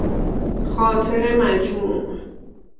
خاطر مجموع